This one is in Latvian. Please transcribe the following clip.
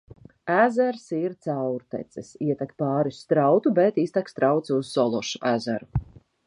Ezers ir caurteces: ietek pāris strautu, bet iztek strauts uz Sološu ezeru.